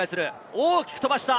大きく飛ばした。